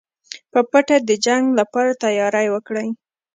په پټه د جنګ لپاره تیاری وکړئ.